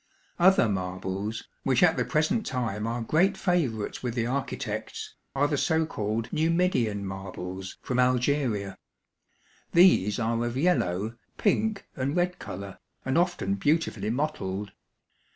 Other marbles, which at the present time are great favorites with the architects, are the so called Numidian marbles, from Algeria. These are of yellow, pink, and red color, and often beautifully mottled.